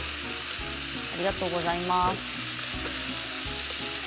ありがとうございます。